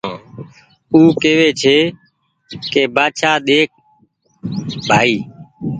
تو او ڪيوي ڪي بآڇآ ۮيک ڀآئي